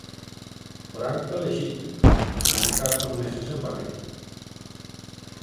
Branca lexítima, con catro meses en barrica.